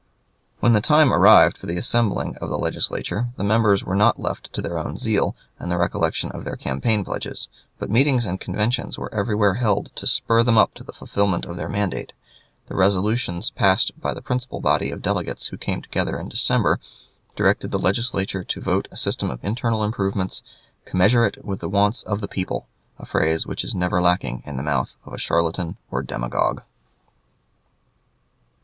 When the time arrived for the assembling of the Legislature, the members were not left to their own zeal and the recollection of their campaign pledges, but meetings and conventions were everywhere held to spur them up to the fulfillment of their mandate. The resolutions passed by the principal body of delegates who came together in December directed the Legislature to vote a system of internal improvements "commensurate with the wants of the people," a phrase which is never lacking in the mouth of the charlatan or the demagogue. [Sidenote: "Ford's History," p. 184.